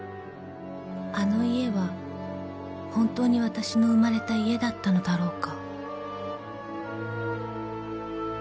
［あの家は本当にわたしの生まれた家だったのだろうか］